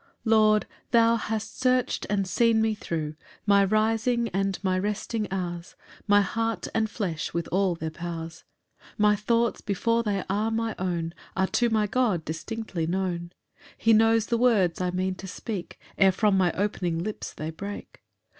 1 Lord, thou hast search'd and seen me thro'; Thine eye commands with piercing view My rising and my resting hours, My heart and flesh with all their powers. 2 My thoughts, before they are my own, Are to my God distinctly known; He knows the words I mean to speak Ere from my opening lips they break.